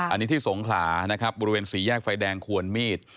อันนี้ที่สงขลานะครับบริเวณสี่แยกไฟแดงควรมีด